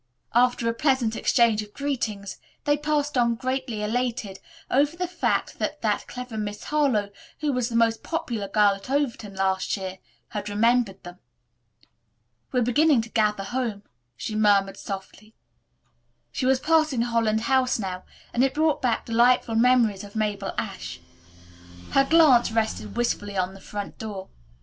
After a pleasant exchange of greetings they passed on greatly elated over the fact that "that clever Miss Harlowe, who was the most popular girl at Overton last year," had remembered them. "We're beginning to gather home," she murmured softly. She was passing Holland House now, and it brought back delightful memories of Mabel Ashe. Her glance rested wistfully on the front door.